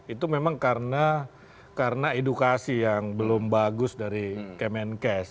itu memang karena edukasi yang belum bagus dari kemenkes